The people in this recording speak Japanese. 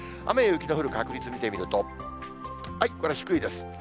雨や雪の降る確率見てみると、これは低いです。